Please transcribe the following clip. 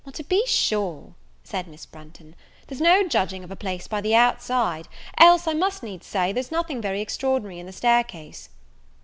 "Well, to be sure," said Miss Branghton, "there's no judging of a place by the outside, else, I must needs say, there's nothing very extraordinary in the stair case."